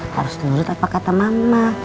harus nurut apa kata mama